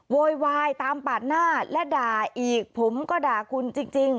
โวยวายตามปาดหน้าและด่าอีกผมก็ด่าคุณจริง